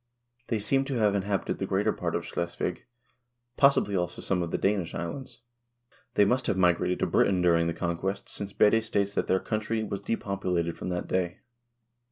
l They seem to have inhabited the greater part of Schleswig, possibly also some of the Danish islands. They must have migrated to Britain during the conquest, since Bede states that their country was depopulated from that day.